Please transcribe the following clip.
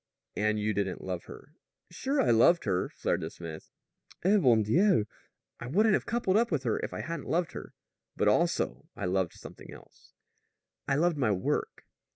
"And you didn't love her?" "Sure I loved her," flared the smith. "Eh bon Dieu! I wouldn't have coupled up with her if I hadn't loved her; but, also, I loved something else. I loved my work.